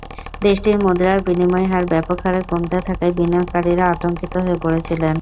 দেশটির মুদ্রার বিনিময় হার ব্যাপক হারে কমতে থাকায় বিনিয়োগকারীরা আতঙ্কিত হয়ে পড়েছিলেন।